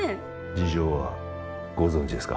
事情はご存じですか？